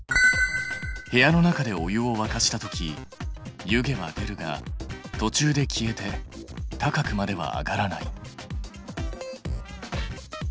部屋の中でお湯をわかした時湯気は出るがとちゅうで消えて高くまでは上がらない。